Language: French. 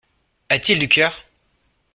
A-t-il du cœur!